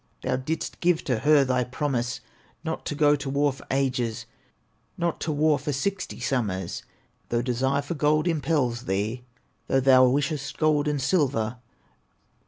Thou didst give to her thy promise, Not to go to war for ages, Not to war for sixty summers, Though desire for gold impels thee, Though thou wishest gold and silver!